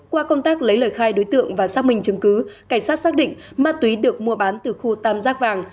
qua công tác lấy lời khai đối tượng và xác minh chứng cứ cảnh sát xác định ma túy được mua bán từ khu tam giác vàng